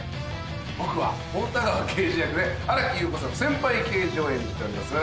僕は太田川刑事役で新木優子さんの先輩刑事を演じております。